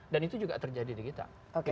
dan itu juga terjadi di kita